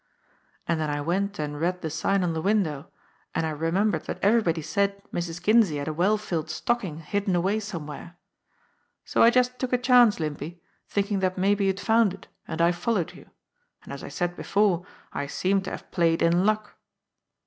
And then I went and read the sign or: the window, and I remembered that everybody said Mrs. Kinsey had a well filled stocking hidden away somewhere. So I just took a chance, Limpy, thinking that maybe you'd found it, and I followed you. And as I saio before, I seem to have played in luck."